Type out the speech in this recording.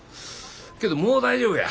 けどもう大丈夫や。